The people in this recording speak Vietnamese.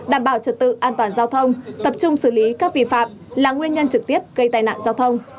đảm bảo trật tự an toàn giao thông tập trung xử lý các vi phạm là nguyên nhân trực tiếp gây tai nạn giao thông